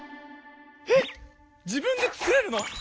えっ自分で作れるの？